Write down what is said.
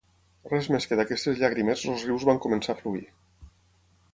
Res més que d'aquestes llàgrimes els rius van començar a fluir.